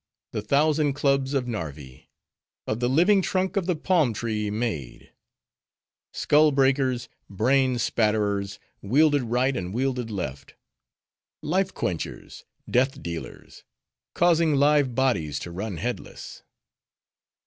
The thousand clubs of Narvi! Of the living trunk of the Palm tree made; Skull breakers! Brain spatterers! Wielded right, and wielded left; Life quenchers! Death dealers! Causing live bodies to run headless!